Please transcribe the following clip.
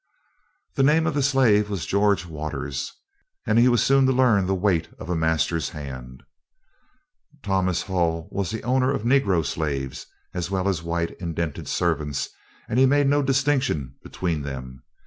The name of the slave was George Waters, and he was soon to learn the weight of a master's hand. Thomas Hull was the owner of negro slaves, as well as white indented servants, and he made no distinction between them.